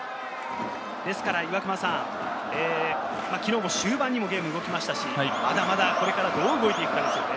ですから、岩隈さん、昨日も終盤にゲームが動きましたし、まだまだ、これからどう動いていくかですね。